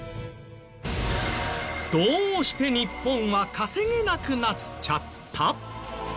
どうして日本は稼げなくなっちゃった？